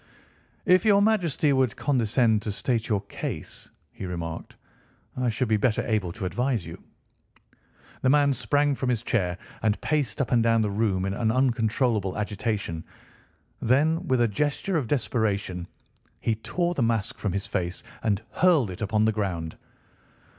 "If your Majesty would condescend to state your case," he remarked, "I should be better able to advise you." The man sprang from his chair and paced up and down the room in uncontrollable agitation. Then, with a gesture of desperation, he tore the mask from his face and hurled it upon the ground.